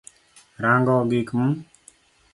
Rango gik m